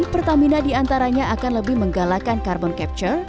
pertamina diantaranya akan lebih menggalakan carbon capture